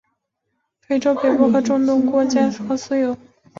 非洲北部和中东国家则大多使用羊尾的脂肪和酥油。